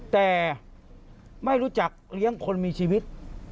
แต่ไม่รู้จักเลี้ยงคนมีชีวิต